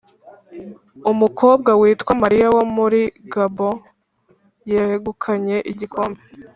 Umukobwa witwa Maria wo muri gabon yegukanye igikombe